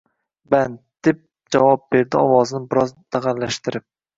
Band, deb javob berdi ovozini biroz dag`allashtirib